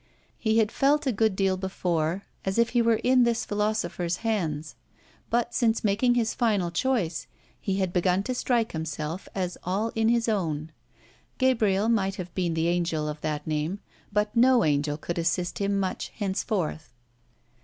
He had felt a good deal, before, as if he were in this philosopher's hands; but since making his final choice he had begun to strike himself as all in his own. Gabriel might have been the angel of that name, but no angel could assist him much henceforth.